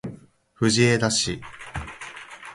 藤枝市